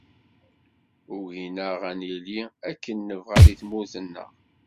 Ugin-aɣ ad nili akken nebɣa di tmurt-nneɣ.